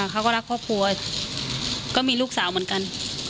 เขาก็รักครอบครัวก็มีลูกสาวเหมือนกัน